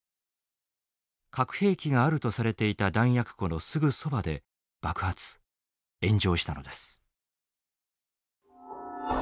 核兵器があるとされていた弾薬庫のすぐそばで爆発炎上したのです。